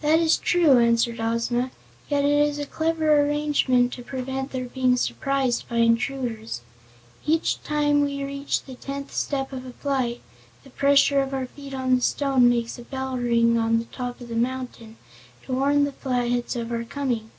"That is true," answered Ozma; "yet it is a clever arrangement to prevent their being surprised by intruders. Every time we reach the tenth step of a flight, the pressure of our feet on the stone makes a bell ring on top of the mountain, to warn the Flatheads of our coming."